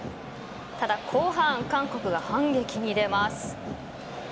ただ後半、韓国は反撃に出ます。